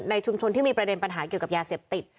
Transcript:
ชุมชนที่มีประเด็นปัญหาเกี่ยวกับยาเสพติด